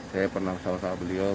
saya pernah bersama sama beliau